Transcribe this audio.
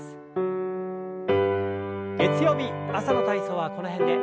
月曜日朝の体操はこの辺で。